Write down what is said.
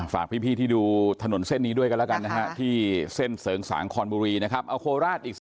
ฝากพี่ที่ดูถนนเส้นนี้ด้วยกันแล้วกันนะฮะที่เส้นเสริงสางคอนบุรีนะครับเอาโคราชอีก